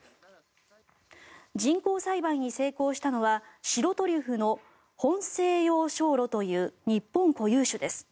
人工栽培に成功したのは白トリュフのホンセイヨウショウロという日本固有種です。